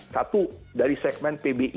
satu dari segmen pbi